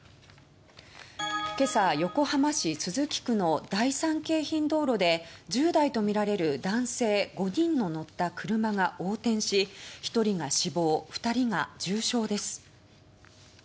今朝横浜市都筑区の第三京浜道路で１０代とみられる男性５人の乗った車が横転し１人が死亡、２人が重傷です。